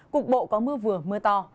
cục bộ có mưa vừa mưa to